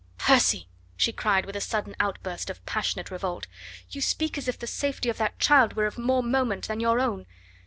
"Percy!" she cried with a sudden outburst of passionate revolt, "you speak as if the safety of that child were of more moment than your own.